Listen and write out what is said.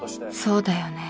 そうだよね